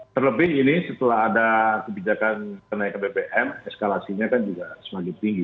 terlebih ini setelah ada kebijakan kenaikan bbm eskalasinya kan juga semakin tinggi